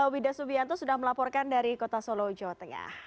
wida subianto sudah melaporkan dari kota solo jawa tengah